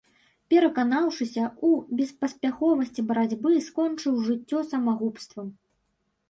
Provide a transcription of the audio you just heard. Пераканаўшыся ў беспаспяховасці барацьбы, скончыў жыццё самагубствам.